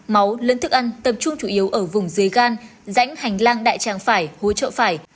máu lấn thức ăn tập trung chủ yếu ở vùng dưới gan rãnh hành lang đại trang phải hối trợ phải